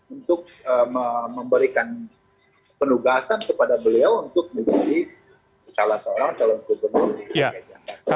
untuk memberikan penugasan kepada beliau untuk menjadi salah seorang calon gubernur di dki jakarta